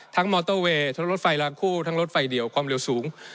มอเตอร์เวย์ทั้งรถไฟลาคู่ทั้งรถไฟเดี่ยวความเร็วสูง